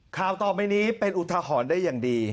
ข่าวต่อไปนี้เป็นอุทหรณ์ได้อย่างดี